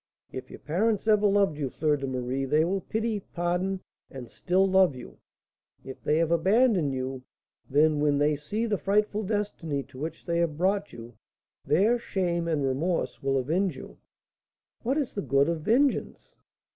"If your parents ever loved you, Fleur de Marie, they will pity, pardon, and still love you. If they have abandoned you, then, when they see the frightful destiny to which they have brought you, their shame and remorse will avenge you." "What is the good of vengeance?"